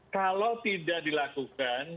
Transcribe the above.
kalau tidak dilakukan